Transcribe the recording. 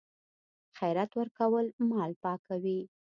خیرات ورکول مال پاکوي.